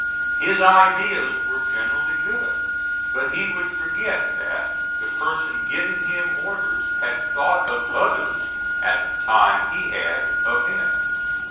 His ideas were generally good, but he would forget that the person giving him orders had thought of others at the time he had of him.